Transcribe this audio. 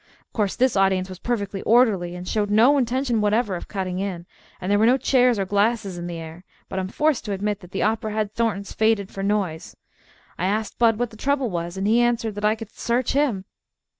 Of course, this audience was perfectly orderly, and showed no intention whatever of cutting in, and there were no chairs or glasses in the air, but I am forced to admit that the opera had Thornton's faded for noise. I asked Bud what the trouble was, and he answered that I could search him.